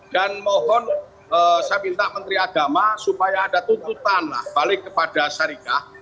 dan mohon saya minta menteri agama supaya ada tuntutan balik kepada syarikat